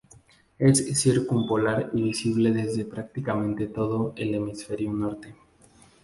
Es circumpolar y visible desde prácticamente todo el hemisferio norte.